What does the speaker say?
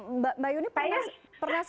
mbak yuni pernah sepanggung gak sih